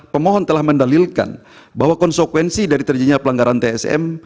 pemohon telah mendalilkan bahwa konsekuensi dari terjadinya pelanggaran tsm